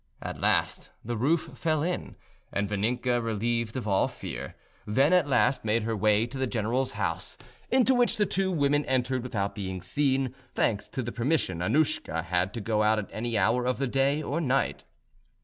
At last the roof fell in, and Vaninka, relieved of all fear, then at last made her way to the general's house, into which the two women entered without being seen, thanks to the permission Annouschka had to go out at any hour of the day or night.